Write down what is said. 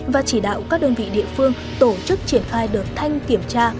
và chỉ đạo các đơn vị địa phương tổ chức triển khai đợt thanh kiểm tra